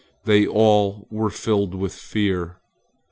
They all were filled with fear.